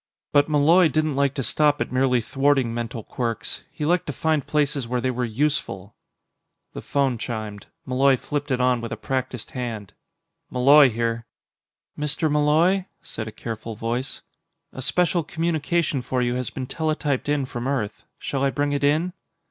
But Malloy didn't like to stop at merely thwarting mental quirks; he liked to find places where they were useful. The phone chimed. Malloy flipped it on with a practiced hand. "Malloy here." "Mr. Malloy?" said a careful voice. "A special communication for you has been teletyped in from Earth. Shall I bring it in?"